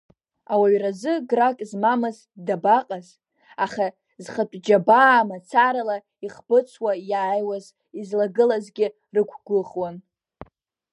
Ауаҩразы грак змамыз дабаҟаз, аха зхатәџьабаа мацарала ихбыцуа иааиуаз излагылазгьы рықәгәыӷуан.